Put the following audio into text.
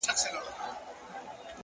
• ما لیدله د کور ټوله شیان په سترګو ,